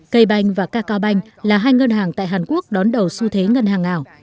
cây banh và cacao banh là hai ngân hàng tại hàn quốc đón đầu xu thế ngân hàng ảo